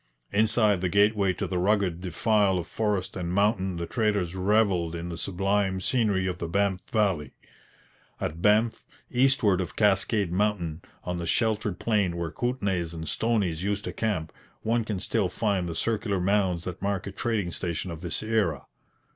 Inside the gateway to the rugged defile of forest and mountain the traders revelled in the sublime scenery of the Banff valley. At Banff, eastward of Cascade mountain, on the sheltered plain where Kootenays and Stonies used to camp, one can still find the circular mounds that mark a trading station of this era.